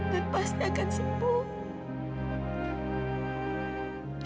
nenek pasti akan sembuh